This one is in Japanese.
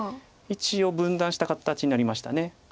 一応分断した形になりました。